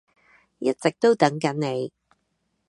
一直都等緊你